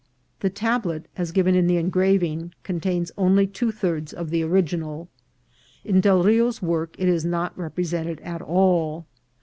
The tablet, as given in the engraving, contains only two thirds of the original. In Del Rio's work it is not represented at all.